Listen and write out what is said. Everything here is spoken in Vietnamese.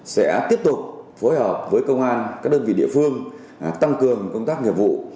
sẽ tiếp tục phối hợp với công an các đơn vị địa phương tăng cường công tác nghiệp vụ